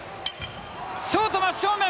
ショート真っ正面！